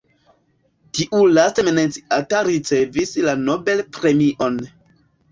Tiu laste menciata ricevis la Nobel Premion.